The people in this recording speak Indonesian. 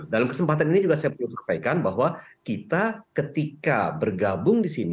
dalam kesempatan ini saya ingin menyampaikan bahwa kita ketika bergabung